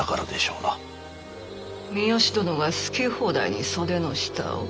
三好殿が好き放題に袖の下を？